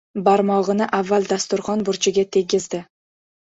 Barmog‘ini avval dasturxon burchiga tegizdi.